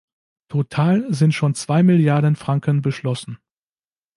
Total sind schon zwei Milliarden Franken beschlossen.